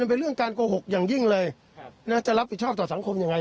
มันเป็นเรื่องการโกหกอย่างยิ่งเลยจะรับผิดชอบต่อสังคมยังไง